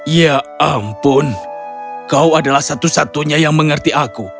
ya ampun kau adalah satu satunya yang mengerti aku